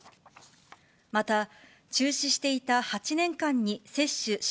また中止していた８年間に接種し